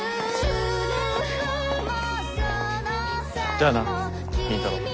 じゃあな倫太郎。